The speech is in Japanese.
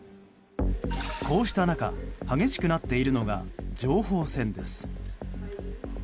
こうした中激しくなっているのが情報戦です。